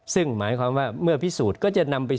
ซึ่งหมายความว่าเมื่อพิสูจน์ก็จะนำไป